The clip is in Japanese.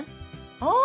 ああ！